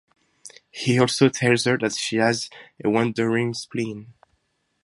He also tells her that she has a wandering spleen.